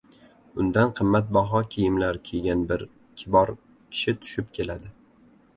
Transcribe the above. Undan qimmatbaho kiyimlar kiygan bir kibor kishi tushib keladi.